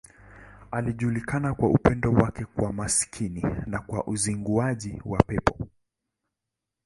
Alijulikana kwa upendo wake kwa maskini na kwa uzinguaji wa pepo.